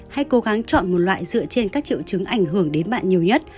hãy cố gắng chọn một loại dựa trên các triệu chứng ảnh hưởng đến bạn nhiều nhất